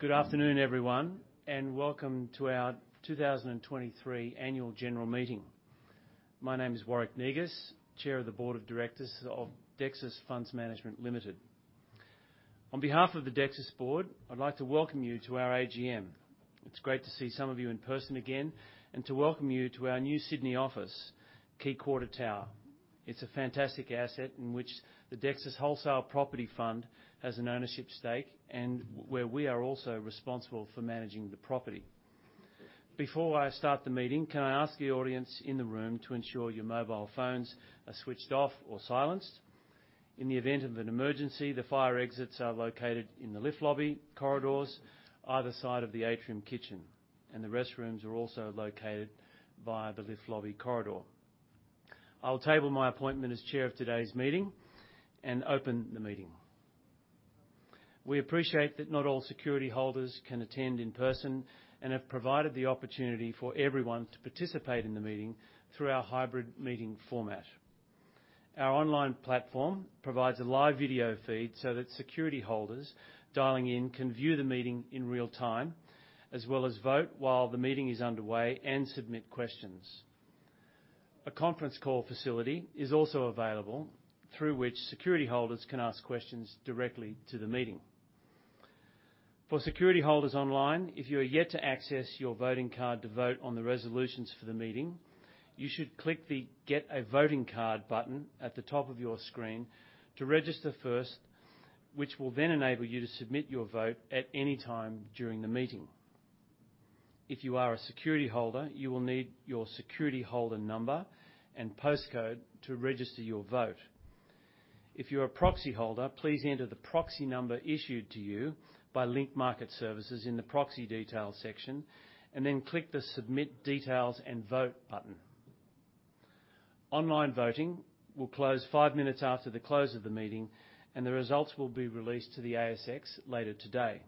Good afternoon, everyone, and welcome to our 2023 Annual General Meeting. My name is Warwick Negus, Chair of the Board of Directors of Dexus Funds Management Limited. On behalf of the Dexus board, I'd like to welcome you to our AGM. It's great to see some of you in person again, and to welcome you to our new Sydney office, Quay Quarter Tower. It's a fantastic asset in which the Dexus Wholesale Property Fund has an ownership stake, and where we are also responsible for managing the property. Before I start the meeting, can I ask the audience in the room to ensure your mobile phones are switched off or silenced? In the event of an emergency, the fire exits are located in the lift lobby, corridors, either side of the atrium kitchen, and the restrooms are also located by the lift lobby corridor. I'll table my appointment as chair of today's meeting, and open the meeting. We appreciate that not all security holders can attend in person, and have provided the opportunity for everyone to participate in the meeting through our hybrid meeting format. Our online platform provides a live video feed so that security holders dialing in can view the meeting in real time, as well as vote while the meeting is underway, and submit questions. A conference call facility is also available, through which security holders can ask questions directly to the meeting. For security holders online, if you are yet to access your voting card to vote on the resolutions for the meeting, you should click the Get a Voting Card button at the top of your screen to register first, which will then enable you to submit your vote at any time during the meeting. If you are a security holder, you will need your security holder number and postcode to register your vote. If you're a proxy holder, please enter the proxy number issued to you by Link Market Services in the Proxy Details section, and then click the Submit Details and Vote button. Online voting will close five minutes after the close of the meeting, and the results will be released to the ASX later today.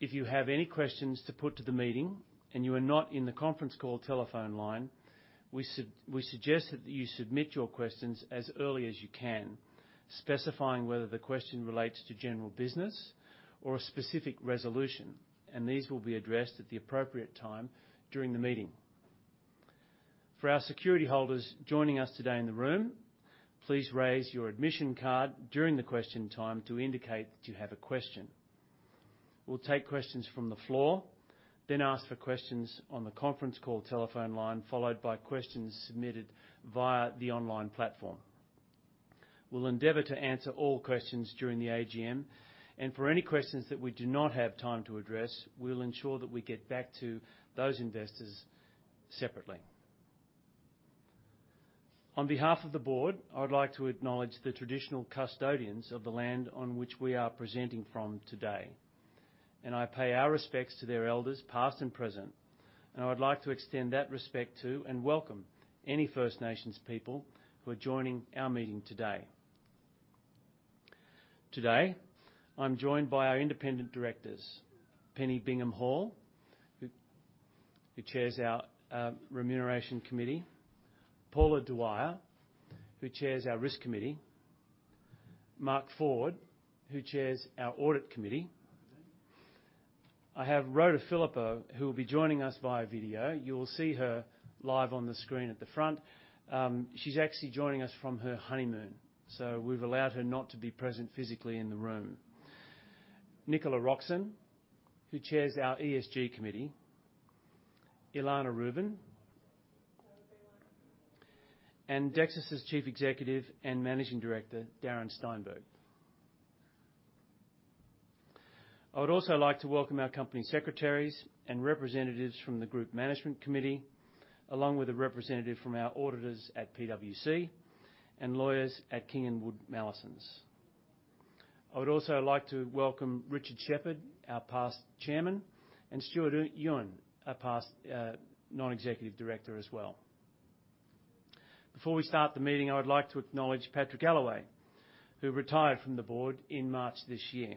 If you have any questions to put to the meeting and you are not in the conference call telephone line, we suggest that you submit your questions as early as you can, specifying whether the question relates to general business or a specific resolution, and these will be addressed at the appropriate time during the meeting. For our security holders joining us today in the room, please raise your admission card during the question time to indicate that you have a question. We'll take questions from the floor, then ask for questions on the conference call telephone line, followed by questions submitted via the online platform. We'll endeavor to answer all questions during the AGM, and for any questions that we do not have time to address, we'll ensure that we get back to those investors separately. On behalf of the board, I would like to acknowledge the traditional custodians of the land on which we are presenting from today, and I pay our respects to their elders, past and present, and I would like to extend that respect to and welcome any First Nations people who are joining our meeting today. Today, I'm joined by our independent directors, Penny Bingham-Hall, who chairs our Remuneration Committee; Paula Dwyer, who chairs our Risk Committee; Mark Ford, who chairs our Audit Committee. I have Rhoda Phillippo, who will be joining us via video. You will see her live on the screen at the front. She's actually joining us from her honeymoon, so we've allowed her not to be present physically in the room. Nicola Roxon, who chairs our ESG Committee, Elana Rubin Dexus's Chief Executive and Managing Director, Darren Steinberg. I would also like to welcome our company secretaries and representatives from the Group Management Committee, along with a representative from our auditors at PwC and lawyers at King & Wood Mallesons. I would also like to welcome Richard Sheppard, our past Chairman, and Stewart Ewen, our past Non-Executive Director as well. Before we start the meeting, I would like to acknowledge Patrick Allaway, who retired from the board in March this year.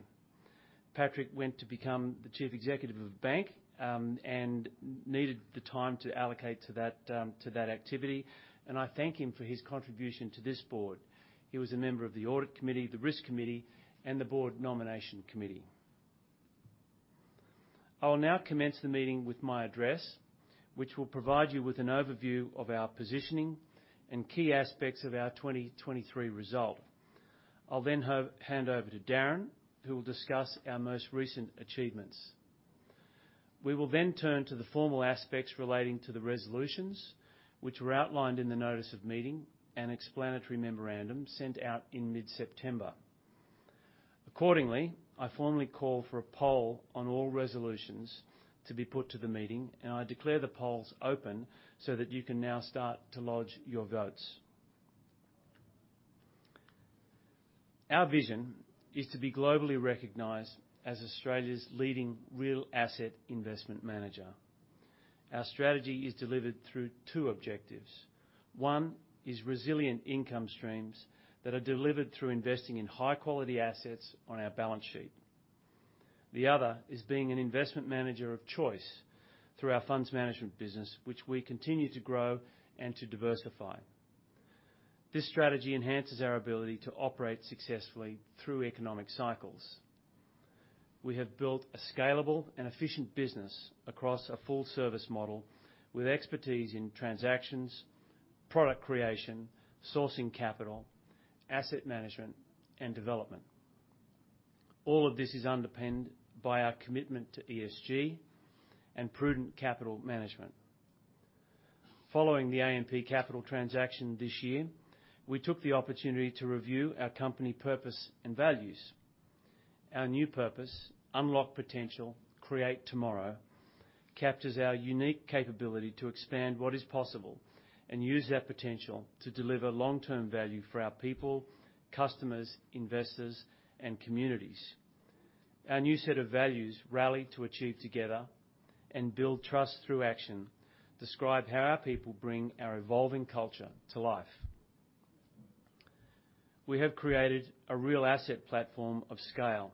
Patrick went to become the chief executive of a bank, and needed the time to allocate to that, to that activity, and I thank him for his contribution to this board. He was a member of the Audit Committee, the Risk Committee, and the Board Nomination Committee. I will now commence the meeting with my address, which will provide you with an overview of our positioning and key aspects of our 2023 result. I'll then hand over to Darren, who will discuss our most recent achievements. We will then turn to the formal aspects relating to the resolutions, which were outlined in the notice of meeting and explanatory memorandum sent out in mid-September. Accordingly, I formally call for a poll on all resolutions to be put to the meeting, and I declare the polls open so that you can now start to lodge your votes. Our vision is to be globally recognized as Australia's leading real asset investment manager. Our strategy is delivered through two objectives. One is resilient income streams that are delivered through investing in high-quality assets on our balance sheet. The other is being an investment manager of choice through our funds management business, which we continue to grow and to diversify.... This strategy enhances our ability to operate successfully through economic cycles. We have built a scalable and efficient business across a full service model, with expertise in transactions, product creation, sourcing capital, asset management, and development. All of this is underpinned by our commitment to ESG and prudent capital management. Following the AMP Capital transaction this year, we took the opportunity to review our company purpose and values. Our new purpose, Unlock potential, create tomorrow, captures our unique capability to expand what is possible and use that potential to deliver long-term value for our people, customers, investors, and communities. Our new set of values, rally to achieve together and build trust through action, describe how our people bring our evolving culture to life. We have created a real asset platform of scale,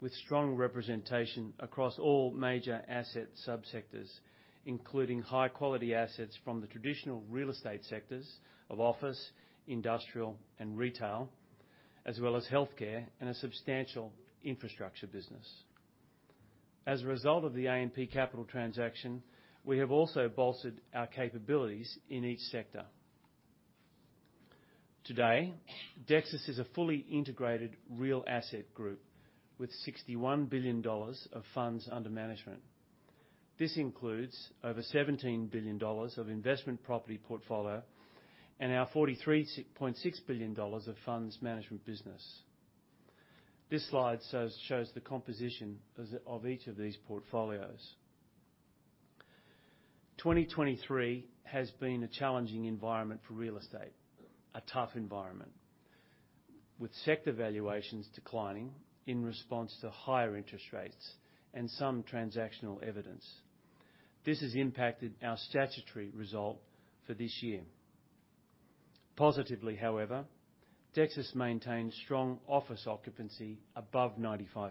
with strong representation across all major asset subsectors, including high-quality assets from the traditional real estate sectors of office, industrial, and retail, as well as healthcare, and a substantial infrastructure business. As a result of the AMP Capital transaction, we have also bolstered our capabilities in each sector. Today, Dexus is a fully integrated real asset group with 61 billion dollars of funds under management. This includes over 17 billion dollars of investment property portfolio and our 43.6 billion dollars of funds management business. This slide shows the composition of each of these portfolios. 2023 has been a challenging environment for real estate, a tough environment, with sector valuations declining in response to higher interest rates and some transactional evidence. This has impacted our statutory result for this year. Positively, however, Dexus maintains strong office occupancy above 95%,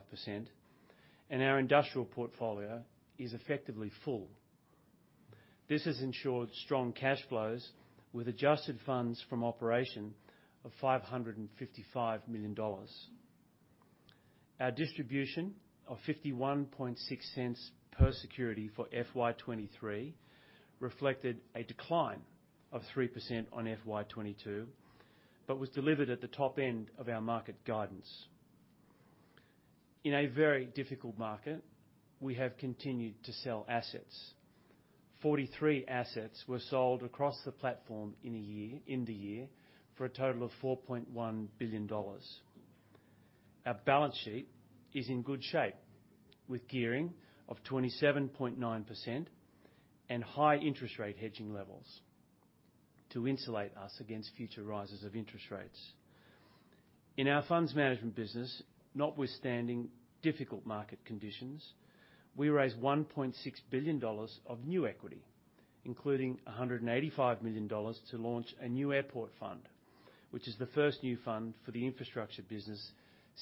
and our industrial portfolio is effectively full. This has ensured strong cash flows with adjusted funds from operation of 555 million dollars. Our distribution of 0.516 per security for FY 2023 reflected a decline of 3% on FY 2022, but was delivered at the top end of our market guidance. In a very difficult market, we have continued to sell assets. 43 assets were sold across the platform in a year, in the year, for a total of 4.1 billion dollars. Our balance sheet is in good shape, with gearing of 27.9% and high interest rate hedging levels to insulate us against future rises of interest rates. In our funds management business, notwithstanding difficult market conditions, we raised 1.6 billion dollars of new equity, including 185 million dollars to launch a new airport fund, which is the first new fund for the infrastructure business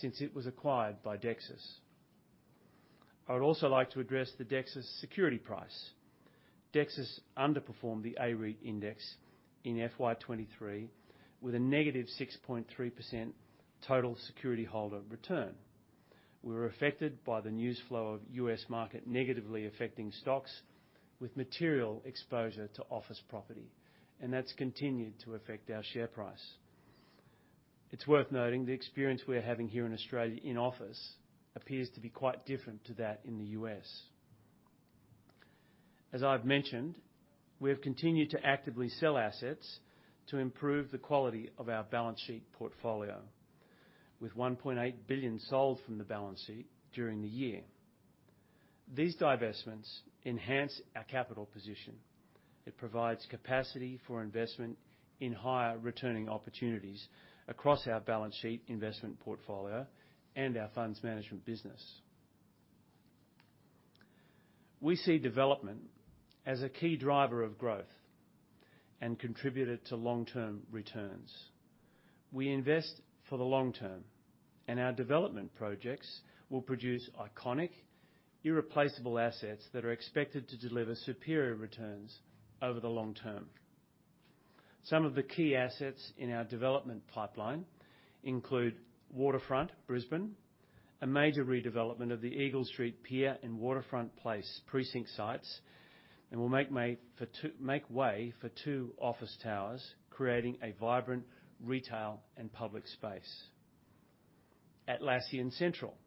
since it was acquired by Dexus. I would also like to address the Dexus security price. Dexus underperformed the A-REIT Index in FY 2023, with a -6.3% total security holder return. We were affected by the news flow of U.S. market negatively affecting stocks with material exposure to office property, and that's continued to affect our share price. It's worth noting, the experience we are having here in Australia in office appears to be quite different to that in the U.S. As I've mentioned, we have continued to actively sell assets to improve the quality of our balance sheet portfolio, with 1.8 billion sold from the balance sheet during the year. These divestments enhance our capital position. It provides capacity for investment in higher returning opportunities across our balance sheet investment portfolio and our funds management business. We see development as a key driver of growth and contributor to long-term returns. We invest for the long term, and our development projects will produce iconic, irreplaceable assets that are expected to deliver superior returns over the long term. Some of the key assets in our development pipeline include Waterfront Brisbane, a major redevelopment of the Eagle Street Pier and Waterfront Place precinct sites, and will make way for two office towers, creating a vibrant retail and public space. Atlassian Central,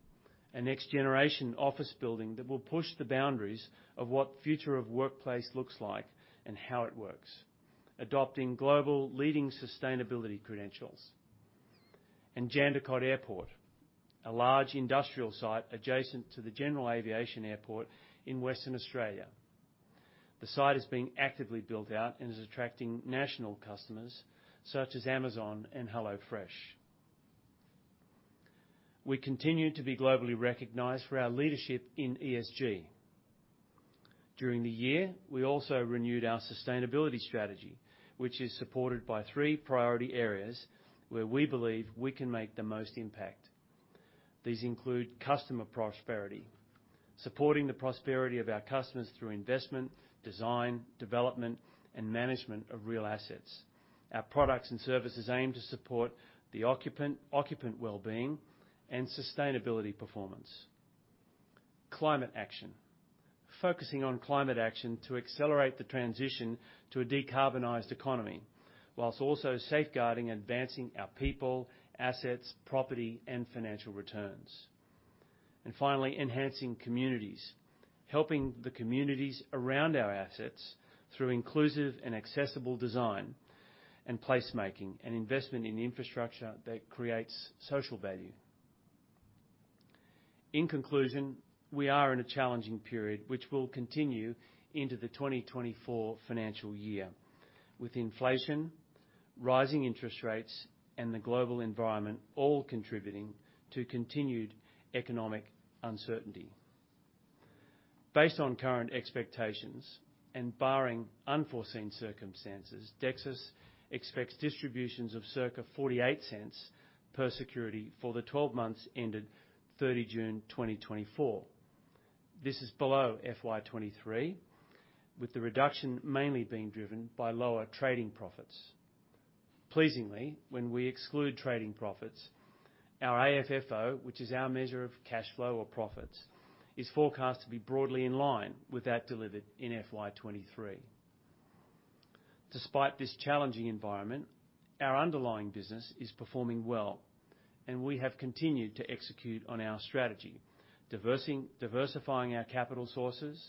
a next-generation office building that will push the boundaries of what future of workplace looks like and how it works, adopting global leading sustainability credentials. Jandakot Airport, a large industrial site adjacent to the general aviation airport in Western Australia. The site is being actively built out and is attracting national customers such as Amazon and HelloFresh. We continue to be globally recognized for our leadership in ESG. During the year, we also renewed our sustainability strategy, which is supported by three priority areas where we believe we can make the most impact.... These include customer prosperity, supporting the prosperity of our customers through investment, design, development, and management of real assets. Our products and services aim to support the occupant, occupant well-being, and sustainability performance. Climate action, focusing on climate action to accelerate the transition to a decarbonized economy, while also safeguarding and advancing our people, assets, property, and financial returns. And finally, enhancing communities. Helping the communities around our assets through inclusive and accessible design, and placemaking, and investment in infrastructure that creates social value. In conclusion, we are in a challenging period which will continue into the 2024 financial year, with inflation, rising interest rates, and the global environment all contributing to continued economic uncertainty. Based on current expectations, and barring unforeseen circumstances, Dexus expects distributions of circa 0.48 per security for the 12 months ended 30 June 2024. This is below FY 2023, with the reduction mainly being driven by lower trading profits. Pleasingly, when we exclude trading profits, our AFFO, which is our measure of cash flow or profits, is forecast to be broadly in line with that delivered in FY 2023. Despite this challenging environment, our underlying business is performing well, and we have continued to execute on our strategy, diversifying our capital sources,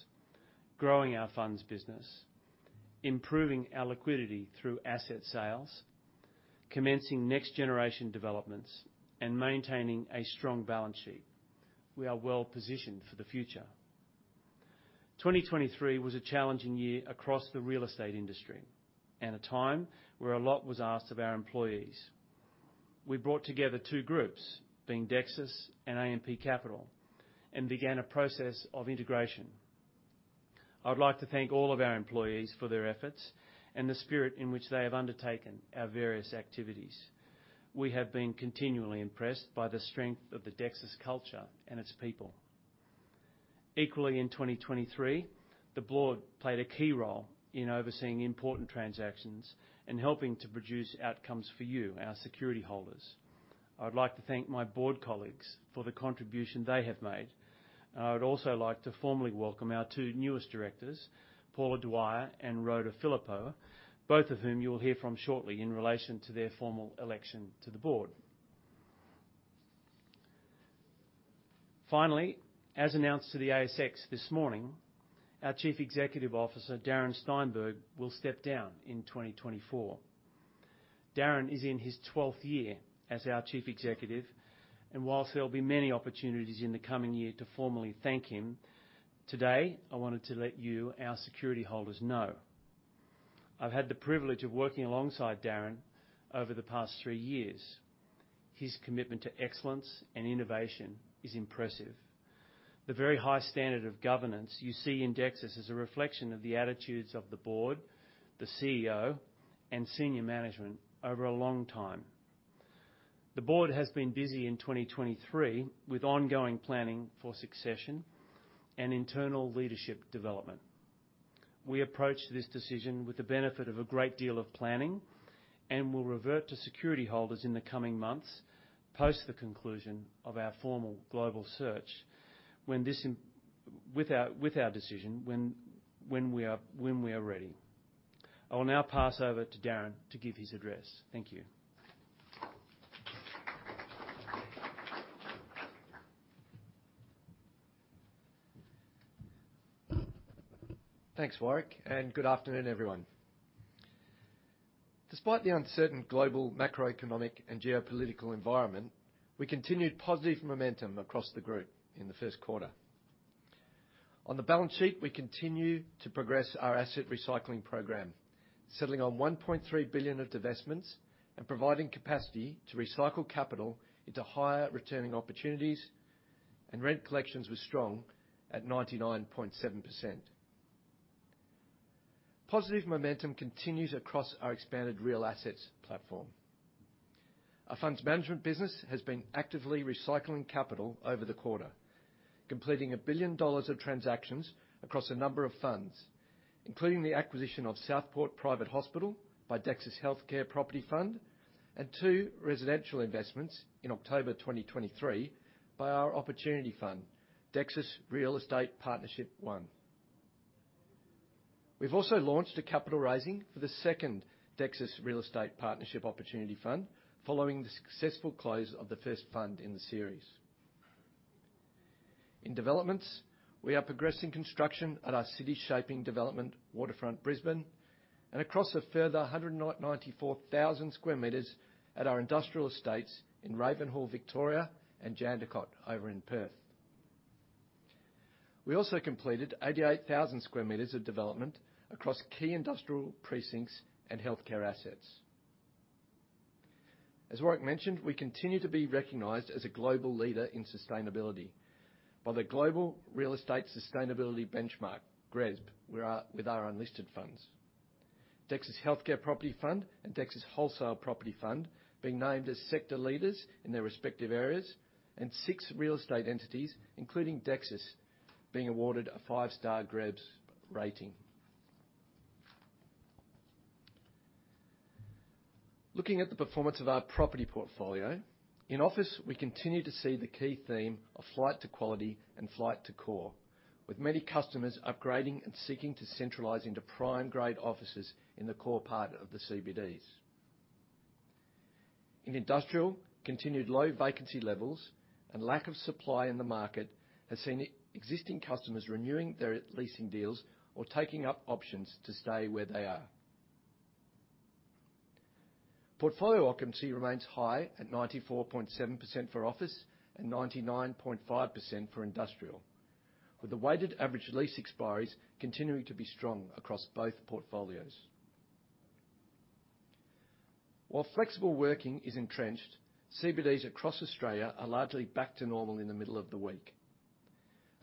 growing our funds business, improving our liquidity through asset sales, commencing next-generation developments, and maintaining a strong balance sheet. We are well positioned for the future. 2023 was a challenging year across the real estate industry, and a time where a lot was asked of our employees. We brought together two groups, being Dexus and AMP Capital, and began a process of integration. I would like to thank all of our employees for their efforts and the spirit in which they have undertaken our various activities. We have been continually impressed by the strength of the Dexus culture and its people. Equally, in 2023, the board played a key role in overseeing important transactions and helping to produce outcomes for you, our security holders. I would like to thank my board colleagues for the contribution they have made, and I would also like to formally welcome our two newest directors, Paula Dwyer and Rhoda Phillippo, both of whom you will hear from shortly in relation to their formal election to the board. Finally, as announced to the ASX this morning, our Chief Executive Officer, Darren Steinberg, will step down in 2024. Darren is in his 12th year as our Chief Executive, and whilst there will be many opportunities in the coming year to formally thank him, today, I wanted to let you, our security holders, know. I've had the privilege of working alongside Darren over the past three years. His commitment to excellence and innovation is impressive. The very high standard of governance you see in Dexus is a reflection of the attitudes of the board, the CEO, and senior management over a long time. The board has been busy in 2023 with ongoing planning for succession and internal leadership development. We approach this decision with the benefit of a great deal of planning and will revert to security holders in the coming months, post the conclusion of our formal global search, with our decision when we are ready. I will now pass over to Darren to give his address. Thank you. Thanks, Warwick, and good afternoon, everyone. Despite the uncertain global macroeconomic and geopolitical environment, we continued positive momentum across the Group in the first quarter. On the balance sheet, we continue to progress our asset recycling program, settling on 1.3 billion of divestments and providing capacity to recycle capital into higher-returning opportunities, and rent collections were strong at 99.7%. Positive momentum continues across our expanded real assets platform. Our funds management business has been actively recycling capital over the quarter, completing 1 billion dollars of transactions across a number of funds, including the acquisition of Southport Private Hospital by Dexus Healthcare Property Fund, and two residential investments in October 2023 by our opportunity fund, Dexus Real Estate Partnership One. We've also launched a capital raising for the second Dexus Real Estate Partnership Opportunity Fund, following the successful close of the first fund in the series. In developments, we are progressing construction at our city shaping development, Waterfront Brisbane, and across a further 194,000 square meters at our industrial estates in Ravenhall, Victoria, and Jandakot, over in Perth. We also completed 88,000 square meters of development across key industrial precincts and healthcare assets. As Warwick mentioned, we continue to be recognized as a global leader in sustainability. By the Global Real Estate Sustainability Benchmark, GRESB, with our unlisted funds, Dexus Healthcare Property Fund and Dexus Wholesale Property Fund being named as sector leaders in their respective areas, and six real estate entities, including Dexus, being awarded a five-star GRESB rating. Looking at the performance of our property portfolio, in office, we continue to see the key theme of flight to quality and flight to core, with many customers upgrading and seeking to centralize into prime grade offices in the core part of the CBDs. In industrial, continued low vacancy levels and lack of supply in the market has seen existing customers renewing their leasing deals or taking up options to stay where they are. Portfolio occupancy remains high at 94.7% for office and 99.5% for industrial, with the weighted average lease expiries continuing to be strong across both portfolios. While flexible working is entrenched, CBDs across Australia are largely back to normal in the middle of the week.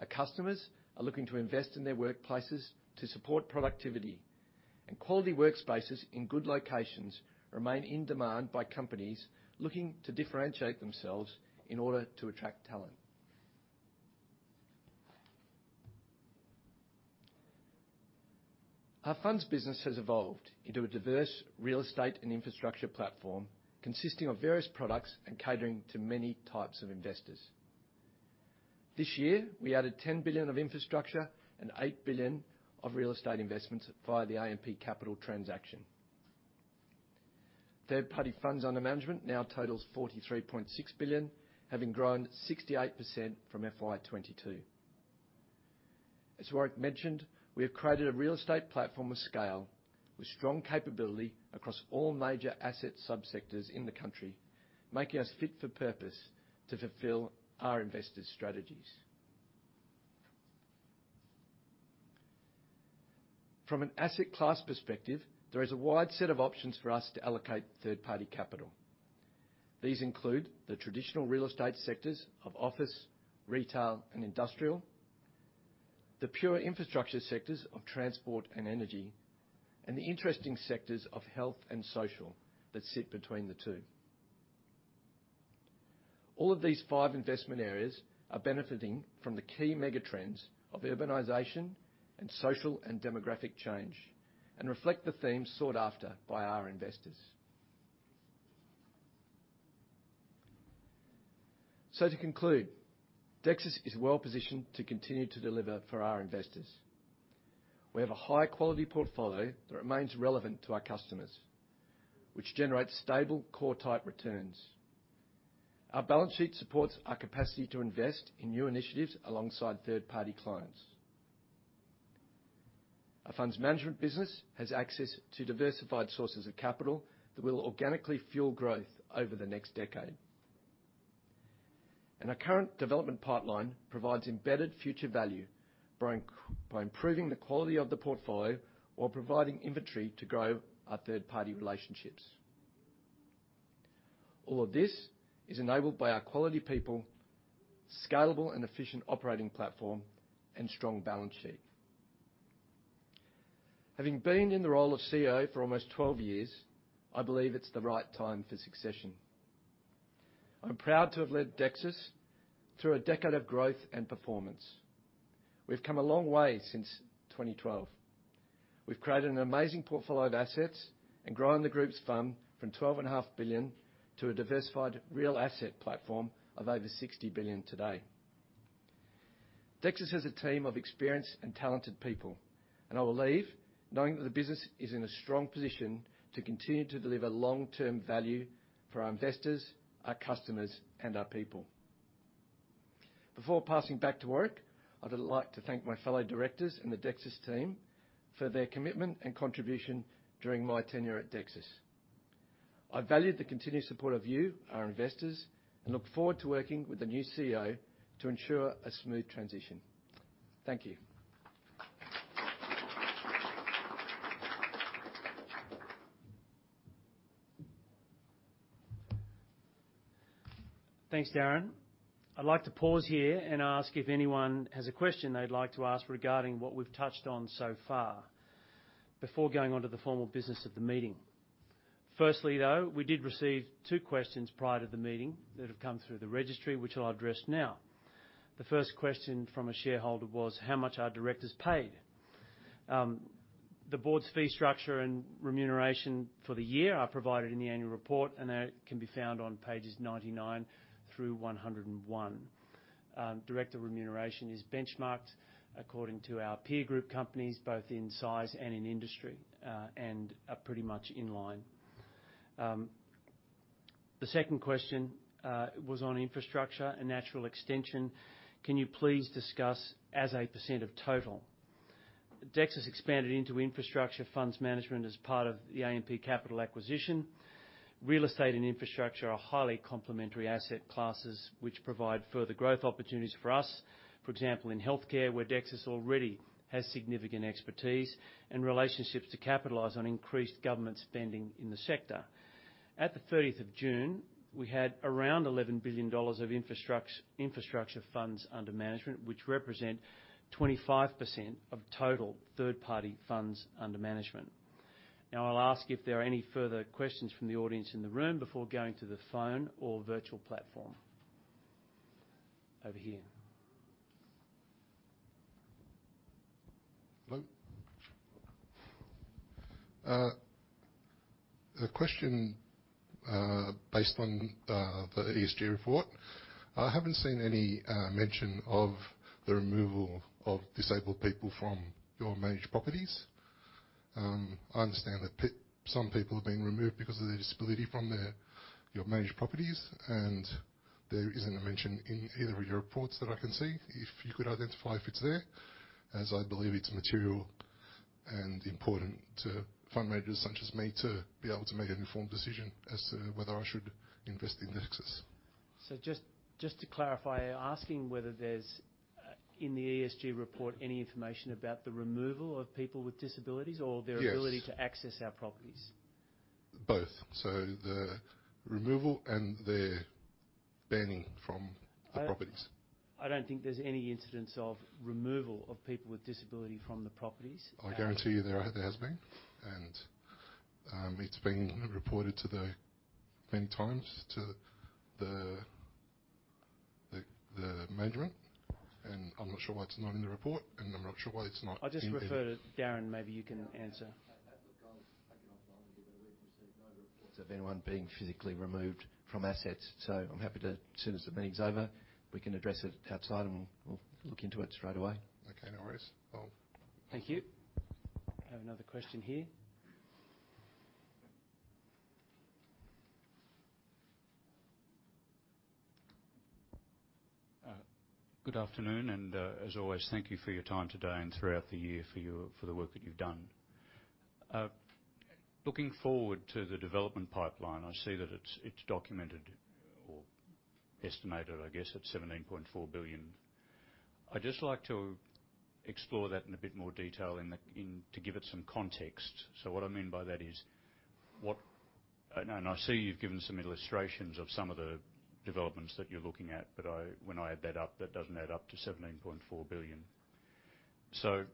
Our customers are looking to invest in their workplaces to support productivity, and quality workspaces in good locations remain in demand by companies looking to differentiate themselves in order to attract talent. Our funds business has evolved into a diverse real estate and infrastructure platform, consisting of various products and catering to many types of investors. This year, we added 10 billion of infrastructure and 8 billion of real estate investments via the AMP Capital transaction. Third-party funds under management now totals 43.6 billion, having grown 68% from FY 2022. As Warwick mentioned, we have created a real estate platform of scale, with strong capability across all major asset subsectors in the country, making us fit for purpose to fulfill our investors' strategies. From an asset class perspective, there is a wide set of options for us to allocate third-party capital. These include the traditional real estate sectors of office, retail, and industrial, the pure infrastructure sectors of transport and energy, and the interesting sectors of health and social that sit between the two. All of these five investment areas are benefiting from the key mega trends of urbanization and social and demographic change and reflect the themes sought after by our investors. To conclude, Dexus is well positioned to continue to deliver for our investors. We have a high-quality portfolio that remains relevant to our customers, which generates stable, core-type returns. Our balance sheet supports our capacity to invest in new initiatives alongside third-party clients. Our funds management business has access to diversified sources of capital that will organically fuel growth over the next decade. Our current development pipeline provides embedded future value, growing by improving the quality of the portfolio while providing inventory to grow our third-party relationships. All of this is enabled by our quality people, scalable and efficient operating platform, and strong balance sheet. Having been in the role of CEO for almost 12 years, I believe it's the right time for succession. I'm proud to have led Dexus through a decade of growth and performance. We've come a long way since 2012. We've created an amazing portfolio of assets and grown the group's fund from 12.5 billion to a diversified real asset platform of over 60 billion today. Dexus has a team of experienced and talented people, and I will leave knowing that the business is in a strong position to continue to deliver long-term value for our investors, our customers, and our people. Before passing back to Warwick, I would like to thank my fellow directors and the Dexus team for their commitment and contribution during my tenure at Dexus. I value the continued support of you, our investors, and look forward to working with the new CEO to ensure a smooth. Thank you. Thanks, Darren. I'd like to pause here and ask if anyone has a question they'd like to ask regarding what we've touched on so far, before going on to the formal business of the meeting. Firstly, though, we did receive two questions prior to the meeting that have come through the registry, which I'll address now. The first question from a shareholder was: How much are directors paid? The board's fee structure and remuneration for the year are provided in the annual report, and they can be found on pages 99 through 101. Director remuneration is benchmarked according to our peer group companies, both in size and in industry, and are pretty much in line. The second question, was on infrastructure and natural extension: Can you please discuss as a percent of total? Dexus expanded into infrastructure funds management as part of the AMP Capital acquisition. Real estate and infrastructure are highly complementary asset classes, which provide further growth opportunities for us. For example, in healthcare, where Dexus already has significant expertise and relationships to capitalize on increased government spending in the sector... At the 30th of June, we had around 11 billion dollars of infrastructure funds under management, which represent 25% of total third-party funds under management. Now, I'll ask if there are any further questions from the audience in the room before going to the phone or virtual platform. Over here. Hello. The question, based on, the ESG report, I haven't seen any mention of the removal of disabled people from your managed properties. I understand that some people have been removed because of their disability from their, your managed properties, and there isn't a mention in either of your reports that I can see. If you could identify if it's there, as I believe it's material and important to fund managers, such as me, to be able to make an informed decision as to whether I should invest in Dexus. So, just to clarify, you're asking whether there's, in the ESG report, any information about the removal of people with disabilities, or- Yes their ability to access our properties? Both. So the removal and the banning from the properties. I don't think there's any incidents of removal of people with disability from the properties. I guarantee you there has been, and it's been reported to the... many times to the management, and I'm not sure why it's not in the report, and I'm not sure why it's not in the- I'll just refer to Darren. Maybe you can answer. We've received no reports of anyone being physically removed from assets, so I'm happy to, as soon as the meeting's over, we can address it outside, and we'll look into it straight away. Okay, no worries. I'll- Thank you. I have another question here. Good afternoon, and as always, thank you for your time today and throughout the year for your, for the work that you've done. Looking forward to the development pipeline, I see that it's documented or estimated, I guess, at 17.4 billion. I'd just like to explore that in a bit more detail in the, to give it some context. So what I mean by that is, what... And I see you've given some illustrations of some of the developments that you're looking at, but I, when I add that up, that doesn't add up to 17.4 billion. So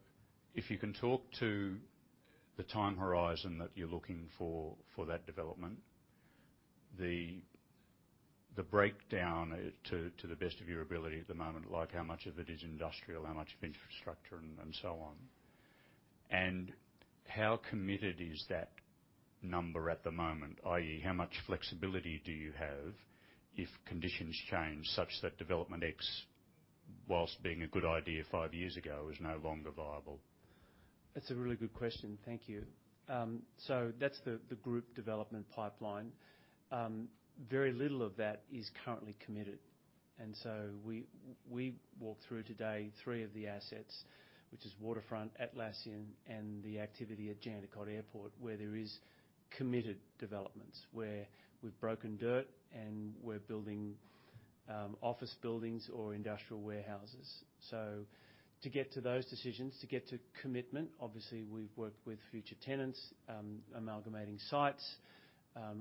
if you can talk to the time horizon that you're looking for, for that development, the breakdown, to the best of your ability at the moment, like, how much of it is industrial, how much of infrastructure, and so on? How committed is that number at the moment, i.e., how much flexibility do you have if conditions change such that Development X, while being a good idea five years ago, is no longer viable? That's a really good question. Thank you. So that's the group development pipeline. Very little of that is currently committed, and so we walked through today three of the assets, which is Waterfront, Atlassian, and the activity at Jandakot Airport, where there is committed developments, where we've broken dirt, and we're building office buildings or industrial warehouses. So to get to those decisions, to get to commitment, obviously, we've worked with future tenants, amalgamating sites,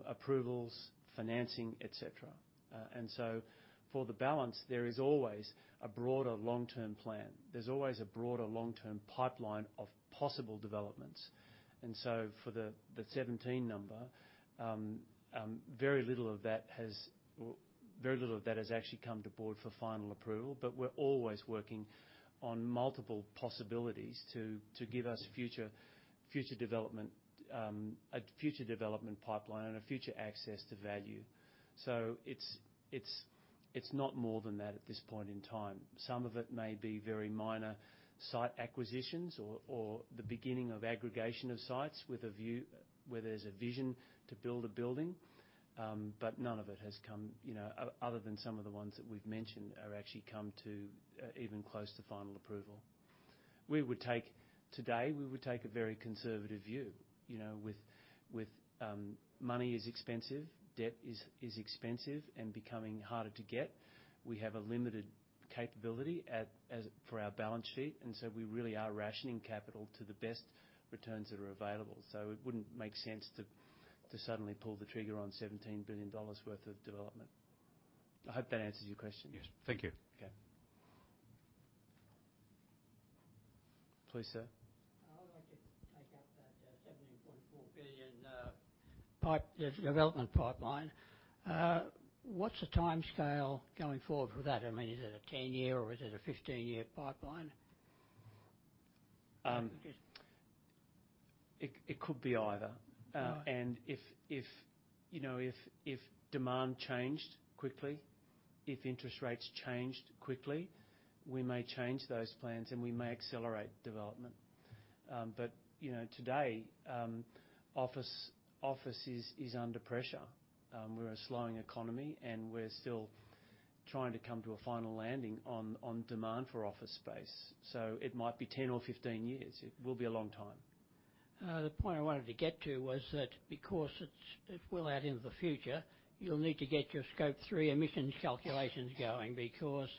approvals, financing, et cetera. And so for the balance, there is always a broader long-term plan. There's always a broader long-term pipeline of possible developments. And so for the 17 number, very little of that has, or very little of that has actually come to board for final approval. But we're always working on multiple possibilities to give us future development, a future development pipeline and a future access to value. So it's not more than that at this point in time. Some of it may be very minor site acquisitions or the beginning of aggregation of sites with a view, where there's a vision to build a building. But none of it has come, you know, other than some of the ones that we've mentioned, are actually come to even close to final approval. We would take... Today, we would take a very conservative view, you know, with money is expensive, debt is expensive and becoming harder to get. We have a limited capability for our balance sheet, and so we really are rationing capital to the best returns that are available. So it wouldn't make sense to suddenly pull the trigger on AUD 17 billion worth of development. I hope that answers your question. Yes. Thank you. Okay. Please, sir. I would like to take up that 17.4 billion development pipeline. What's the timescale going forward with that? I mean, is it a 10-year or is it a 15-year pipeline? It could be either. Right. And if you know if demand changed quickly, if interest rates changed quickly, we may change those plans, and we may accelerate development. But you know today office is under pressure. We're a slowing economy, and we're still trying to come to a final landing on demand for office space, so it might be 10 or 15 years. It will be a long time. The point I wanted to get to was that because it's, it's well out into the future, you'll need to get your Scope 3 emissions calculations going, because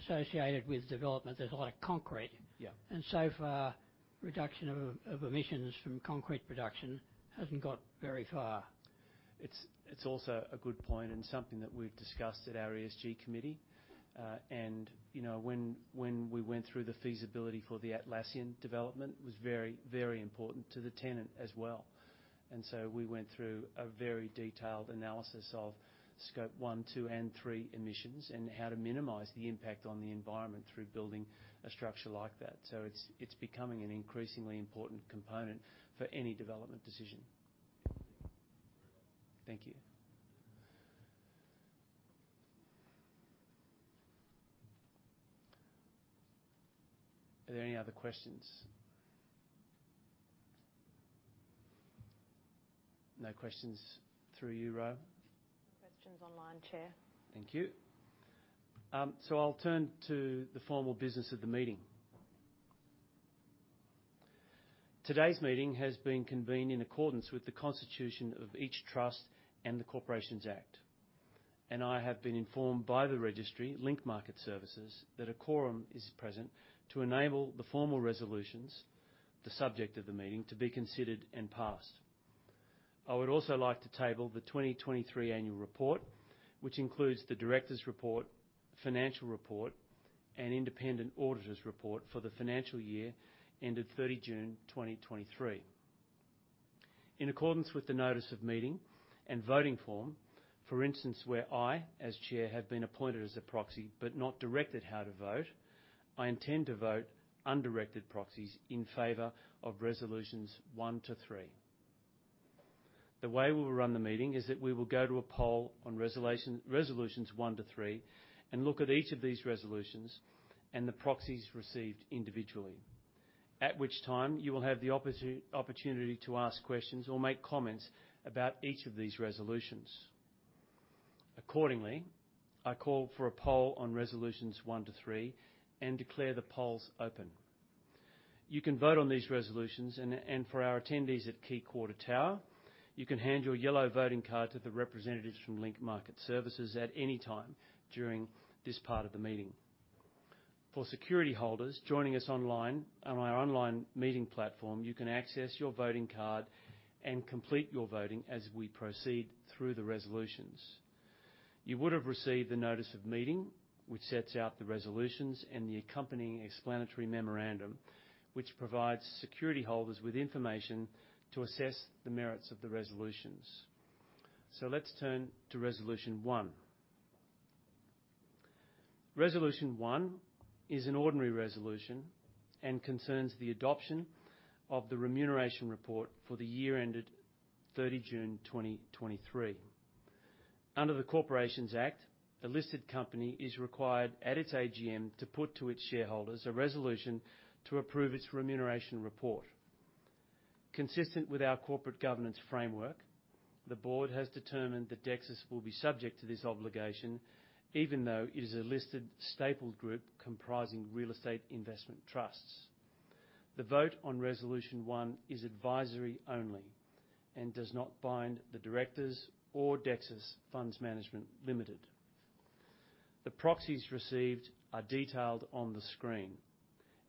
associated with development, there's a lot of concrete. Yeah. So far, reduction of emissions from concrete production hasn't got very far.... It's also a good point and something that we've discussed at our ESG committee. And, you know, when we went through the feasibility for the Atlassian development, it was very, very important to the tenant as well. And so we went through a very detailed analysis of Scope 1, 2, and 3 emissions, and how to minimize the impact on the environment through building a structure like that. So it's becoming an increasingly important component for any development decision. Thank you. Are there any other questions? No questions through you, Ro? No questions online, Chair. Thank you. I'll turn to the formal business of the meeting. Today's meeting has been convened in accordance with the Constitution of each trust and the Corporations Act, and I have been informed by the registry, Link Market Services, that a quorum is present to enable the formal resolutions, the subject of the meeting, to be considered and passed. I would also like to table the 2023 annual report, which includes the directors' report, financial report, and independent auditors' report for the financial year ended 30 June 2023. In accordance with the notice of meeting and voting form, for instance, where I, as Chair, have been appointed as a proxy but not directed how to vote, I intend to vote undirected proxies in favor of resolutions 1-3. The way we will run the meeting is that we will go to a poll on resolutions 1-3 and look at each of these resolutions and the proxies received individually, at which time you will have the opportunity to ask questions or make comments about each of these resolutions. Accordingly, I call for a poll on resolutions 1-3 and declare the polls open. You can vote on these resolutions and for our attendees at Quay Quarter Tower, you can hand your yellow voting card to the representatives from Link Market Services at any time during this part of the meeting. For security holders joining us online on our online meeting platform, you can access your voting card and complete your voting as we proceed through the resolutions. You would have received a notice of meeting, which sets out the resolutions and the accompanying explanatory memorandum, which provides security holders with information to assess the merits of the resolutions. Let's turn to resolution one. Resolution one is an ordinary resolution and concerns the adoption of the remuneration report for the year ended 30 June 2023. Under the Corporations Act, a listed company is required at its AGM to put to its shareholders a resolution to approve its remuneration report. Consistent with our corporate governance framework, the board has determined that Dexus will be subject to this obligation even though it is a listed stapled group comprising real estate investment trusts. The vote on Resolution one is advisory only and does not bind the directors or Dexus Funds Management Limited. The proxies received are detailed on the screen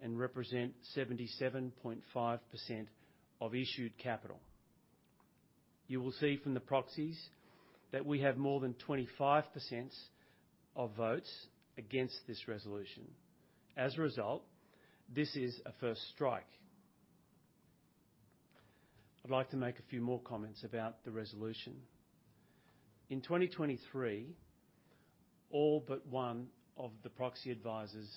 and represent 77.5% of issued capital. You will see from the proxies that we have more than 25% of votes against this resolution. As a result, this is a first strike. I'd like to make a few more comments about the resolution. In 2023, all but one of the proxy advisors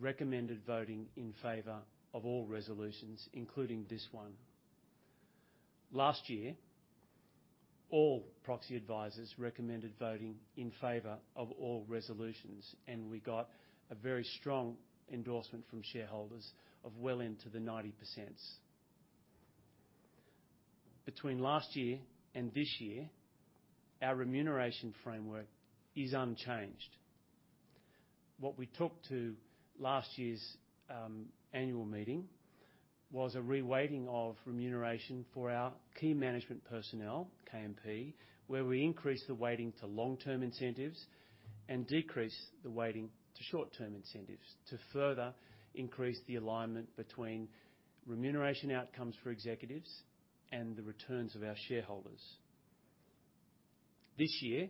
recommended voting in favor of all resolutions, including this one. Last year, all proxy advisors recommended voting in favor of all resolutions, and we got a very strong endorsement from shareholders of well into the 90%. Between last year and this year, our remuneration framework is unchanged. What we took to last year's annual meeting was a reweighting of remuneration for our key management personnel, KMP, where we increased the weighting to long-term incentives and decreased the weighting to short-term incentives to further increase the alignment between remuneration outcomes for executives and the returns of our shareholders. This year,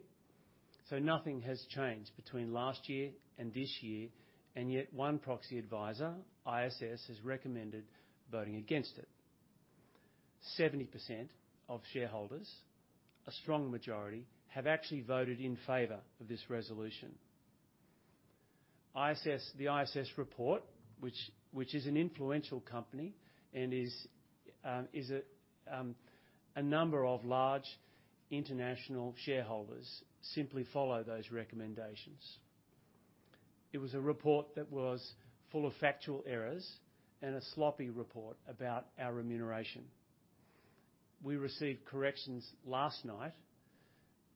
so nothing has changed between last year and this year, and yet one proxy advisor, ISS, has recommended voting against it. 70% of shareholders, a strong majority, have actually voted in favor of this resolution. ISS, the ISS report, which is an influential company and is a number of large international shareholders, simply follow those recommendations. It was a report that was full of factual errors and a sloppy report about our remuneration. We received corrections last night,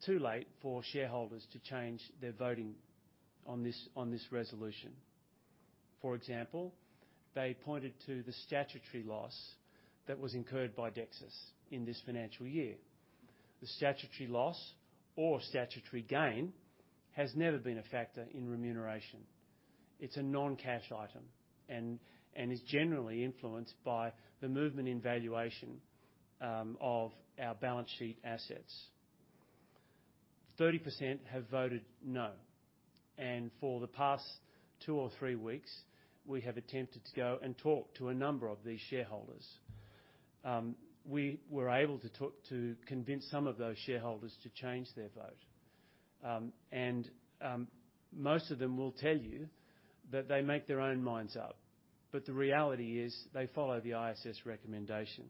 too late for shareholders to change their voting on this resolution. For example, they pointed to the statutory loss that was incurred by Dexus in this financial year. The statutory loss or statutory gain has never been a factor in remuneration. It's a non-cash item, and is generally influenced by the movement in valuation of our balance sheet assets. 30% have voted no, and for the past two or three weeks, we have attempted to go and talk to a number of these shareholders. We were able to talk to convince some of those shareholders to change their vote. Most of them will tell you that they make their own minds up, but the reality is they follow the ISS recommendation.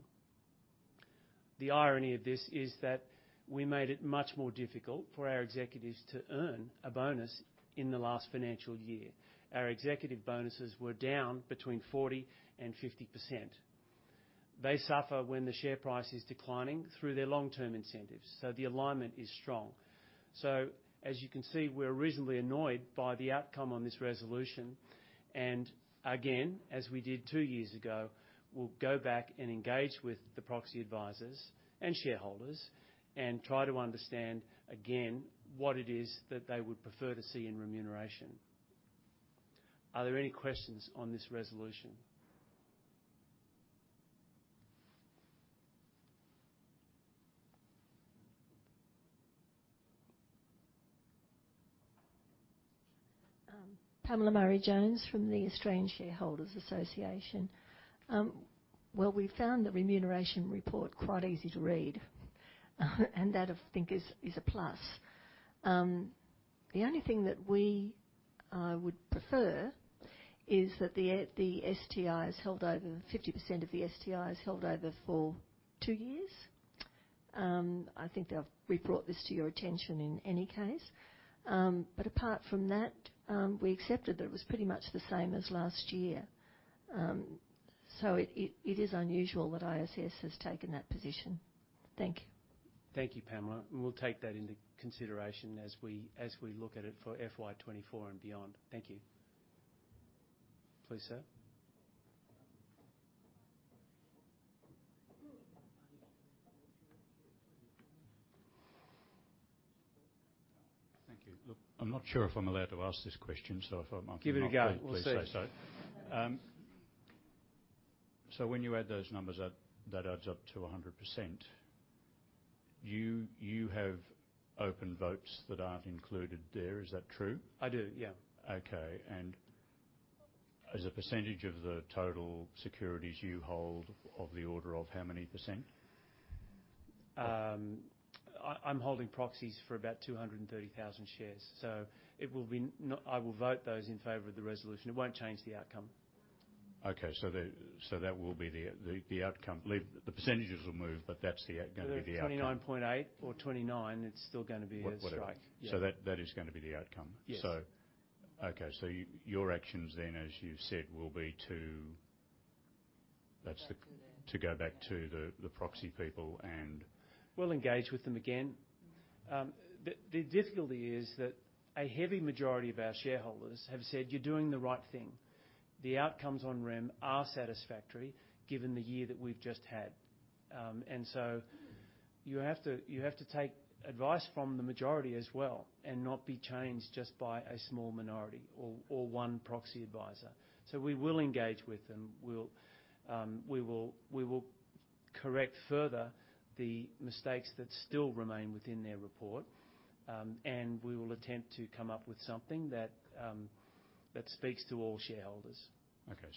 The irony of this is that we made it much more difficult for our executives to earn a bonus in the last financial year. Our executive bonuses were down 40%-50%. They suffer when the share price is declining through their long-term incentives, so the alignment is strong. As you can see, we're reasonably annoyed by the outcome on this resolution, and again, as we did two years ago, we'll go back and engage with the proxy advisors and shareholders and try to understand, again, what it is that they would prefer to see in remuneration. Are there any questions on this resolution? Pamela Murray-Jones from the Australian Shareholders Association. Well, we found the remuneration report quite easy to read, and that, I think, is, is a plus. The only thing that we would prefer is that the, the STIs held over 50% of the STIs held over for two years. I think that we've brought this to your attention in any case. But apart from that, we accepted that it was pretty much the same as last year. So it, it, it is unusual that ISS has taken that position. Thank you. Thank you, Pamela. We'll take that into consideration as we look at it for FY 2024 and beyond. Thank you. Please, sir. Thank you. Look, I'm not sure if I'm allowed to ask this question, so if I might- Give it a go. We'll see. Please say so. So when you add those numbers up, that adds up to 100%. You have open votes that aren't included there. Is that true? I do, yeah. Okay, and as a percentage of the total securities you hold of the order of how many percent? I'm holding proxies for about 230,000 shares, so it will be, I will vote those in favor of the resolution. It won't change the outcome. Okay, so that will be the outcome. The percentages will move, but that's the outcome. 29.8 or 29, it's still gonna be a strike. Whatever. Yeah. That, that is gonna be the outcome? Yes. Okay, so your actions then, as you've said, will be to- Back to them. That's the-- to go back to the proxy people and- We'll engage with them again. The difficulty is that a heavy majority of our shareholders have said, "You're doing the right thing." The outcomes on REM are satisfactory given the year that we've just had. And so you have to, you have to take advice from the majority as well and not be changed just by a small minority or one proxy advisor. So we will engage with them. We'll, we will, we will correct further the mistakes that still remain within their report, and we will attempt to come up with something that, that speaks to all shareholders. Okay,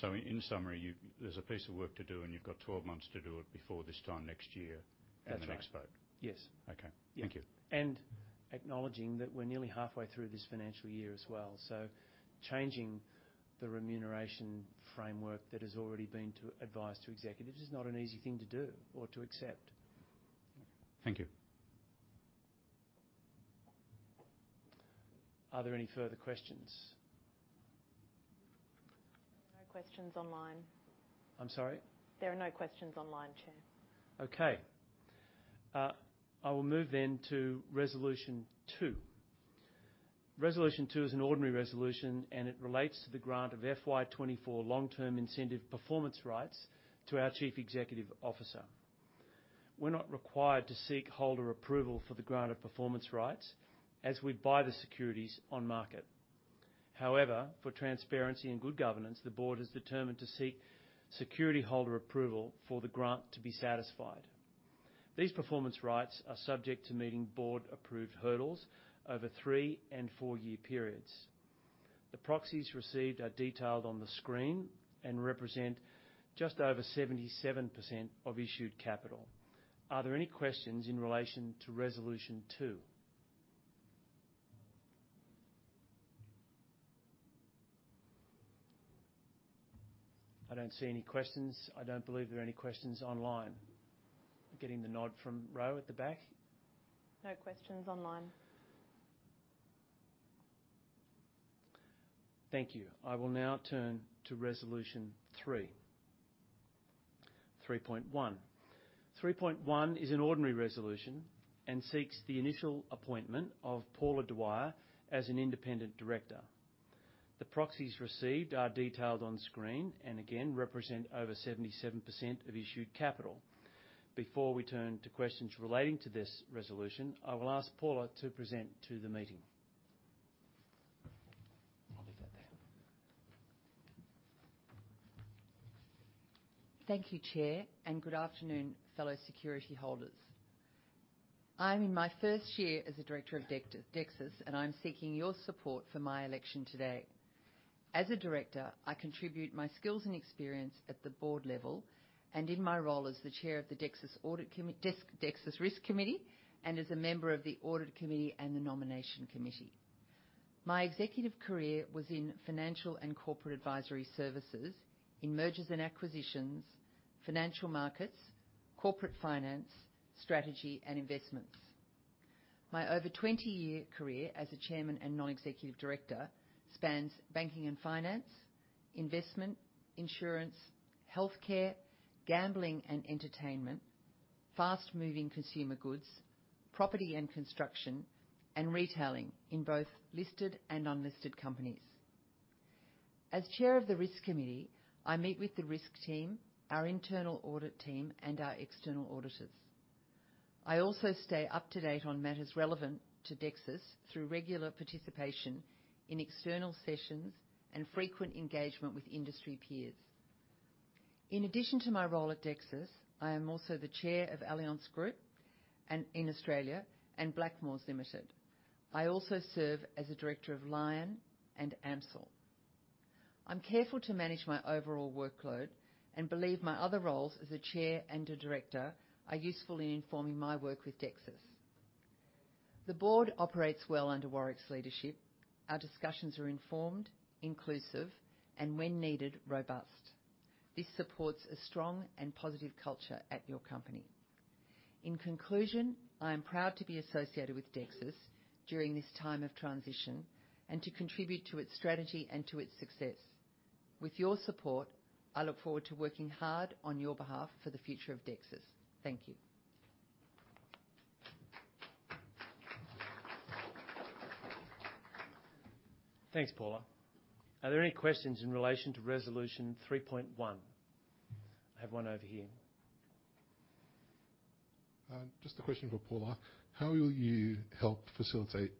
so in summary, you... There's a piece of work to do, and you've got twelve months to do it before this time next year. That's right - in the next vote. Yes. Okay. Yeah. Thank you. Acknowledging that we're nearly halfway through this financial year as well. Changing the remuneration framework that has already been advised to executives is not an easy thing to do or to accept. Thank you. Are there any further questions? No questions online. I'm sorry? There are no questions online, Chair. Okay. I will move then to resolution two. Resolution two is an ordinary resolution, and it relates to the grant of FY24 long-term incentive performance rights to our Chief Executive Officer. We're not required to seek holder approval for the grant of performance rights, as we buy the securities on market. However, for transparency and good governance, the board is determined to seek security holder approval for the grant to be satisfied. These performance rights are subject to meeting board-approved hurdles over three and four-year periods. The proxies received are detailed on the screen and represent just over 77% of issued capital. Are there any questions in relation to resolution two? I don't see any questions. I don't believe there are any questions online. Getting the nod from Ro at the back. No questions online. Thank you. I will now turn to resolution three. 3.1. 3.1 is an ordinary resolution and seeks the initial appointment of Paula Dwyer as an independent director. The proxies received are detailed on screen and again, represent over 77% of issued capital.... Before we turn to questions relating to this resolution, I will ask Paula to present to the meeting. I'll leave that there. Thank you, Chair, and good afternoon, fellow security holders. I'm in my first year as a director of Dexus, and I'm seeking your support for my election today. As a director, I contribute my skills and experience at the board level, and in my role as the Chair of the Dexus Audit Committee, Dexus Risk Committee, and as a member of the Audit Committee and the Nomination Committee. My executive career was in financial and corporate advisory services, in mergers and acquisitions, financial markets, corporate finance, strategy, and investments. My over 20-year career as a chairman and non-executive director spans banking and finance, investment, insurance, healthcare, gambling and entertainment, fast-moving consumer goods, property and construction, and retailing in both listed and unlisted companies. As Chair of the Risk Committee, I meet with the risk team, our internal audit team, and our external auditors. I also stay up to date on matters relevant to Dexus through regular participation in external sessions and frequent engagement with industry peers. In addition to my role at Dexus, I am also the Chair of Allianz Australia and Blackmores Limited. I also serve as a director of Lion and AMCIL. I'm careful to manage my overall workload and believe my other roles as a chair and a director are useful in informing my work with Dexus. The board operates well under Warwick's leadership. Our discussions are informed, inclusive, and when needed, robust. This supports a strong and positive culture at your company. In conclusion, I am proud to be associated with Dexus during this time of transition and to contribute to its strategy and to its success. With your support, I look forward to working hard on your behalf for the future of Dexus. Thank you. Thanks, Paula. Are there any questions in relation to resolution 3.1? I have one over here. Just a question for Paula: How will you help facilitate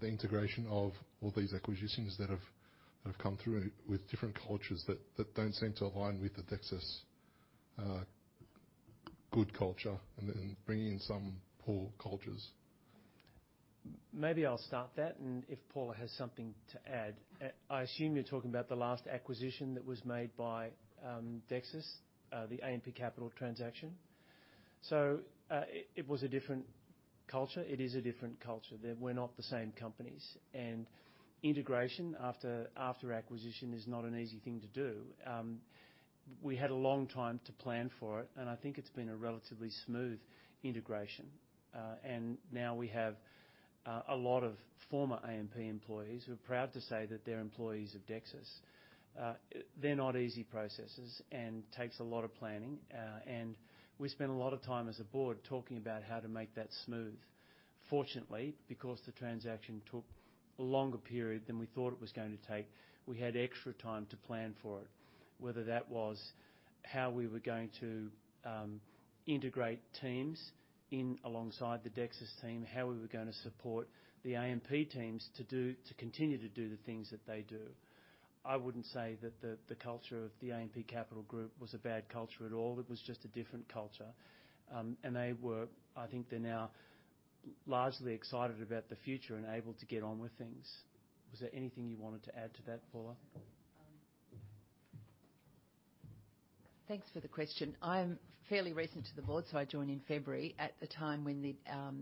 the integration of all these acquisitions that have come through with different cultures that don't seem to align with the Dexus good culture and then bringing in some poor cultures? Maybe I'll start that, and if Paula has something to add. I assume you're talking about the last acquisition that was made by Dexus, the AMP Capital transaction. So, it was a different culture. It is a different culture. They were not the same companies, and integration after acquisition is not an easy thing to do. We had a long time to plan for it, and I think it's been a relatively smooth integration. And now we have a lot of former AMP employees who are proud to say that they're employees of Dexus. They're not easy processes and takes a lot of planning, and we spent a lot of time as a board talking about how to make that smooth. Fortunately, because the transaction took a longer period than we thought it was going to take, we had extra time to plan for it. Whether that was how we were going to integrate teams in alongside the Dexus team, how we were gonna support the AMP teams to do, to continue to do the things that they do. I wouldn't say that the culture of the AMP Capital group was a bad culture at all. It was just a different culture. And they were, I think they're now largely excited about the future and able to get on with things. Was there anything you wanted to add to that, Paula? Thanks for the question. I am fairly recent to the board, so I joined in February, at the time when the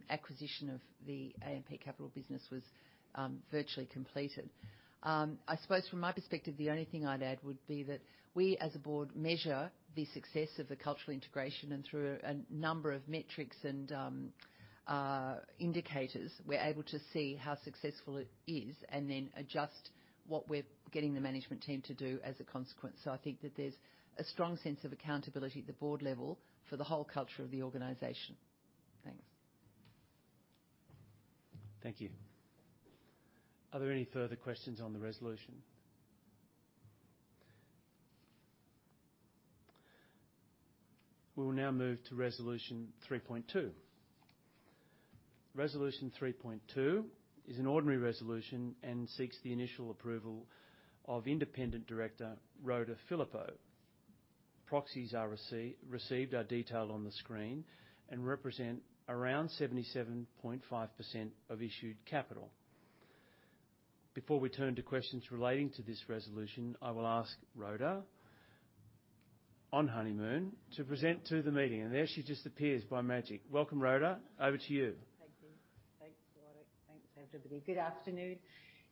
acquisition of the AMP Capital business was virtually completed. I suppose from my perspective, the only thing I'd add would be that we, as a board, measure the success of the cultural integration, and through a number of metrics and indicators, we're able to see how successful it is and then adjust what we're getting the management team to do as a consequence. So I think that there's a strong sense of accountability at the board level for the whole culture of the organization. Thanks. Thank you. Are there any further questions on the resolution? We will now move to resolution 3.2. Resolution 3.2 is an ordinary resolution and seeks the initial approval of Independent Director, Rhoda Phillippo. Proxies received are detailed on the screen and represent around 77.5% of issued capital. Before we turn to questions relating to this resolution, I will ask Rhoda, on honeymoon, to present to the meeting, and there she just appears by magic. Welcome, Rhoda. Over to you. Thank you. Thanks, Warwick. Thanks, everybody. Good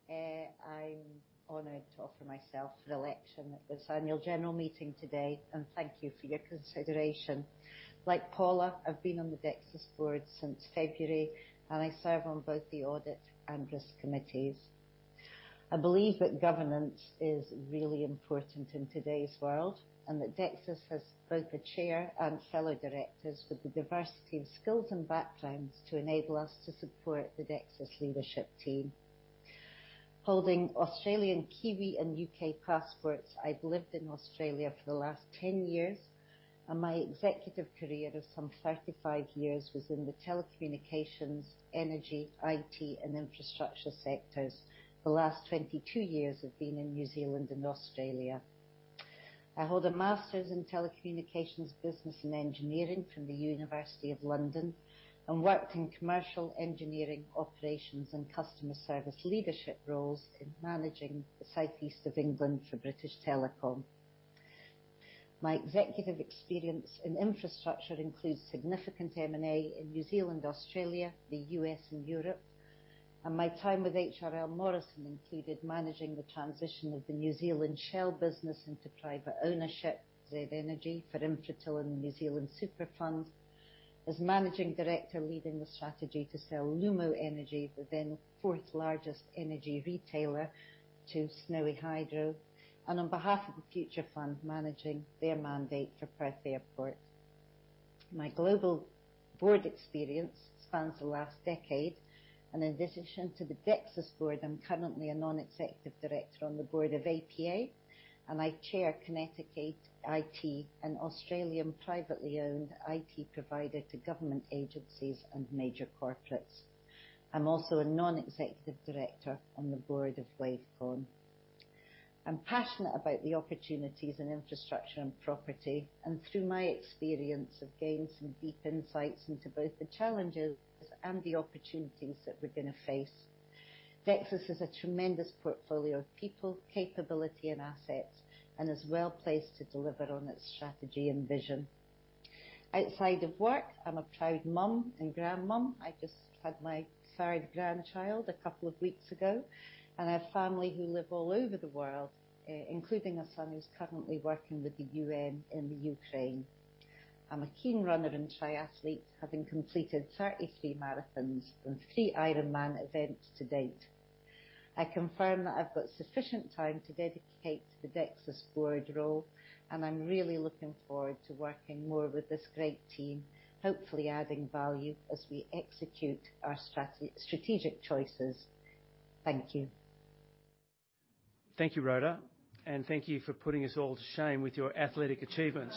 afternoon. I'm honored to offer myself for the election at this Annual General Meeting today, and thank you for your consideration. Like Paula, I've been on the Dexus board since February, and I serve on both the audit and risk committees. I believe that governance is really important in today's world and that Dexus has both a chair and fellow directors with the diversity of skills and backgrounds to enable us to support the Dexus leadership team.... holding Australian, Kiwi, and U.K. passports. I've lived in Australia for the last 10 years, and my executive career of some 35 years was in the telecommunications, energy, IT, and infrastructure sectors. The last 22 years have been in New Zealand and Australia. I hold a master's in Telecommunications Business and Engineering from the University of London, and worked in commercial engineering, operations, and customer service leadership roles in managing the Southeast of England for British Telecom. My executive experience in infrastructure includes significant M&A in New Zealand, Australia, the U.S., and Europe. And my time with HRL Morrison included managing the transition of the New Zealand Shell business into private ownership, Z Energy, for Infratil and the New Zealand Super Fund. As managing director, leading the strategy to sell Lumo Energy, the then fourth largest energy retailer, to Snowy Hydro, and on behalf of the Future Fund, managing their mandate for Perth Airport. My global board experience spans the last decade, and in addition to the Dexus board, I'm currently a non-executive director on the board of APA, and I chair Kinetic IT, an Australian privately owned IT provider to government agencies and major corporates. I'm also a non-executive director on the board of Waveconn. I'm passionate about the opportunities in infrastructure and property, and through my experience, I've gained some deep insights into both the challenges and the opportunities that we're going to face. Dexus has a tremendous portfolio of people, capability, and assets, and is well placed to deliver on its strategy and vision. Outside of work, I'm a proud mum and grandmum. I just had my third grandchild a couple of weeks ago, and I have family who live all over the world, including a son who's currently working with the UN in the Ukraine. I'm a keen runner and triathlete, having completed 33 marathons and three Ironman events to date. I confirm that I've got sufficient time to dedicate to the Dexus board role, and I'm really looking forward to working more with this great team, hopefully adding value as we execute our strategic choices. Thank you. Thank you, Rhoda, and thank you for putting us all to shame with your athletic achievements.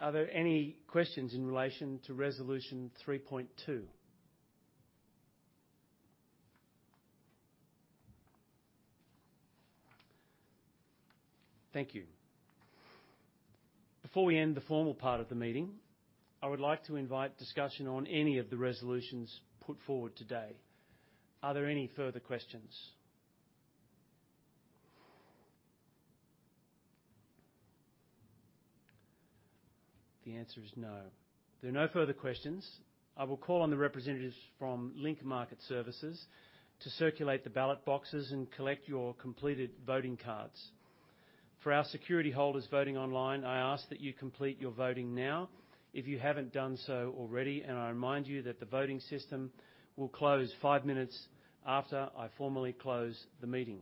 Are there any questions in relation to resolution 3.2? Thank you. Before we end the formal part of the meeting, I would like to invite discussion on any of the resolutions put forward today. Are there any further questions? The answer is no. There are no further questions. I will call on the representatives from Link Market Services to circulate the ballot boxes and collect your completed voting cards. For our security holders voting online, I ask that you complete your voting now if you haven't done so already, and I remind you that the voting system will close five minutes after I formally close the meeting.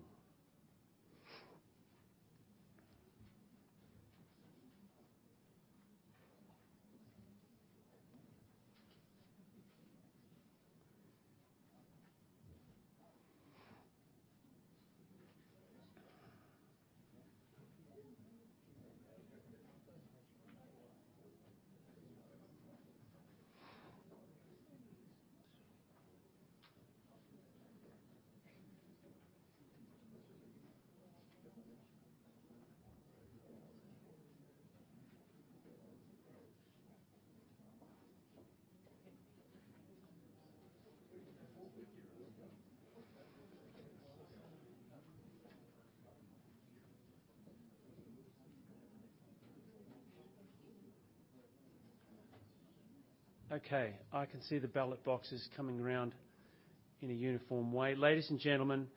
Okay, I can see the ballot boxes coming around in a uniform way. Ladies and gentlemen,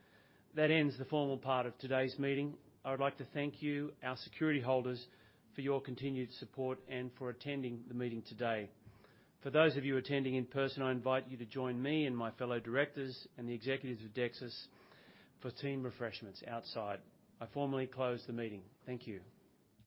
that ends the formal part of today's meeting. I would like to thank you, our security holders, for your continued support and for attending the meeting today. For those of you attending in person, I invite you to join me and my fellow directors and the executives of Dexus for team refreshments outside. I formally close the meeting. Thank you.